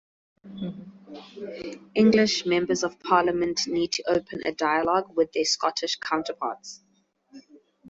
English Members of Parliament need to open a dialogue with their Scottish counterparts.